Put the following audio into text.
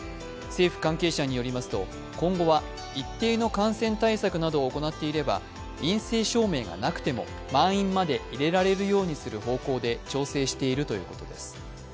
政府関係者によりますと、今後は一定の感染対策などを行っていれば陰性証明がなくても満員まで入れられるようにする方向で調整しているということです。